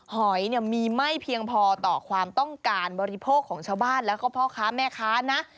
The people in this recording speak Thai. หอยเนี่ยมีไม่เพียงพอต่อความต้องการบริโภคของชาวบ้านแล้วก็พ่อค้าแม่ค้านะ